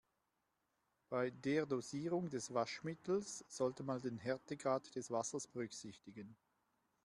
Bei der Dosierung des Waschmittels sollte man den Härtegrad des Wassers berücksichtigen.